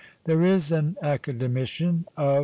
There is an academician of 170 H.